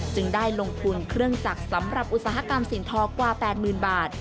ได้ลงทุนเครื่องจักรสำหรับอุตสาหกรรมสินทอกว่า๘๐๐๐บาท